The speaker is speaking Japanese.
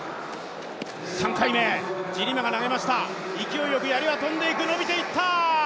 ３回目、ジリマ、勢いよくやりは跳んでいく、伸びていった。